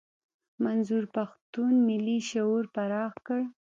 منظور پښتون ملي شعور پراخ کړ.